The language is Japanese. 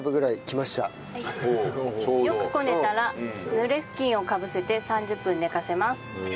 よくこねたら濡れ布巾をかぶせて３０分寝かせます。